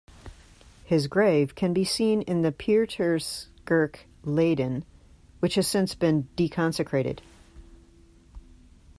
His grave can be seen in the Pieterskerk, Leiden, which has since been deconsecrated.